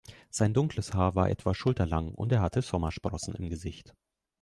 Sein dunkles Haar war etwa schulterlang und er hatte Sommersprossen im Gesicht.